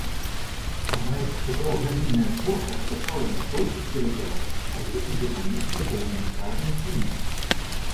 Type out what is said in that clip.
Амаль чатырохгадзінная зборка абяцала не толькі серыял, але і дынамічны поўнаметражны фільм.